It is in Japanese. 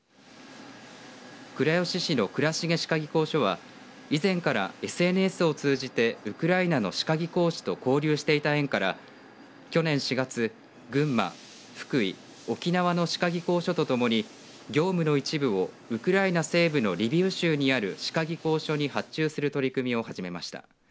倉吉市の倉繁歯科技工所は以前からＳＮＳを通じてウクライナの歯科技工士と交流していた縁から去年４月群馬、福井、沖縄の歯科技工所とともに業務の一部をウクライナ西部のリビウ州にある歯科技工所に発注する取り組みを始めました。